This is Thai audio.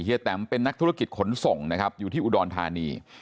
แตมเป็นนักธุรกิจขนส่งนะครับอยู่ที่อุดรธานี